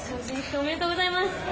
ありがとうございます。